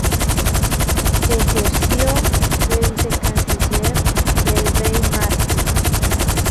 Ejerció de vicecanciller del rey Martí.